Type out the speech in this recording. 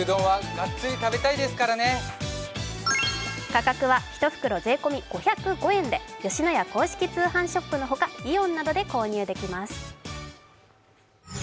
価格は１袋税込み５０５円で吉野家公式通販ショップのほかイオンなおで購入できます。